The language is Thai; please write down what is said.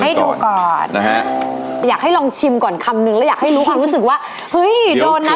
ให้ดูก่อนนะฮะอยากให้ลองชิมก่อนคำนึงแล้วอยากให้รู้ความรู้สึกว่าเฮ้ยโดนนะ